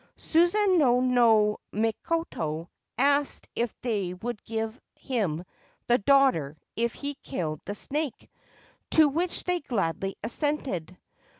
Susanoo no Mikoto asked if they would give him the daughter if he killed the snake ; to which they gladly assented.